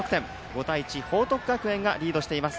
５対１、報徳学園がリードしています。